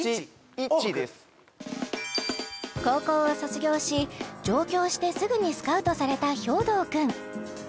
１です高校を卒業し上京してすぐにスカウトされた兵頭くん